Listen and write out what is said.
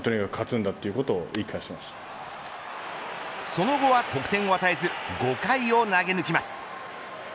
その後は得点を与えず５回を投げ抜きます。